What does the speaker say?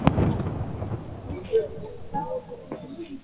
Sana na Unaokithiri Mipaka makubaliano ya kwanza ya kimataifa ili